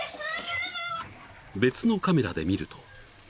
［別のカメラで見ると］